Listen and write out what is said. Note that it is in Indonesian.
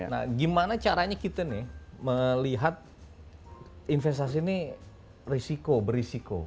nah gimana caranya kita nih melihat investasi ini risiko berisiko